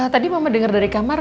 tadi mama dengar dari kamar